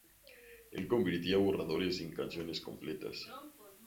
Él convertía borradores en canciones completas.